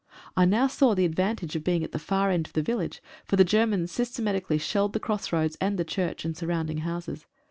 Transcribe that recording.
I now saw the advantage of being at the far end of the village, for the Germans systematically shelled the cross roads and the church and surrounding houses.